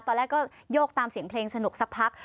ตอนแรกก็โยกตามเสียงเพลงสนุกสักพัก